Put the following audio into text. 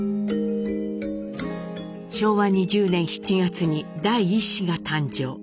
昭和２０年７月に第１子が誕生。